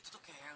itu tuh kayak